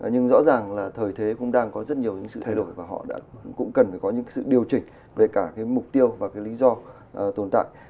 nhưng rõ ràng là thời thế cũng đang có rất nhiều những sự thay đổi và họ cũng cần phải có những sự điều chỉnh về cả cái mục tiêu và cái lý do tồn tại